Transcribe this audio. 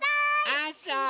あそう。